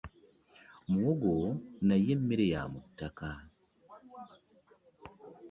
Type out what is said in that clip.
Muwogo naye mmere yamuttaka.